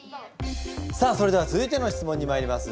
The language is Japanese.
さあそれでは続いての質問にまいります。